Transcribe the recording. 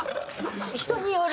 人による！